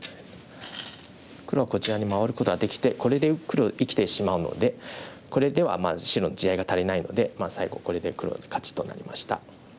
黒はこちらに回ることができてこれで黒生きてしまうのでこれでは白の地合いが足りないので最後これで黒の勝ちとなりました。